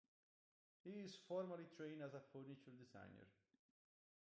He is formally trained as a furniture designer.